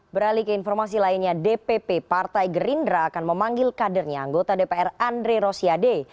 beralih ke informasi lainnya dpp partai gerindra akan memanggil kadernya anggota dpr andre rosiade